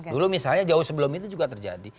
dulu misalnya jauh sebelum itu juga terjadi